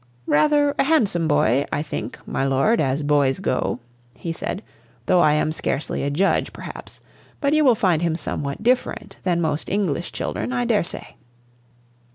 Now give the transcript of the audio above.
"Rather a handsome boy, I think, my lord, as boys go," he said, "though I am scarcely a judge, perhaps. But you will find him somewhat different from most English children, I dare say."